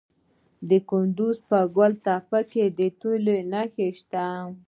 د کندز په ګل تپه کې د تیلو نښې شته.